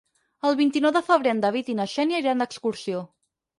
El vint-i-nou de febrer en David i na Xènia iran d'excursió.